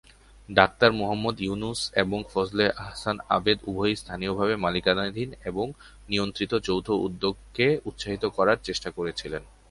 Doctor Muhammad Yunus এবং ফজলে হাসান আবেদ উভয়ই স্থানীয়ভাবে মালিকানাধীন এবং নিয়ন্ত্রিত যৌথ উদ্যোগকে উৎসাহিত করার চেষ্টা করেছিলেন।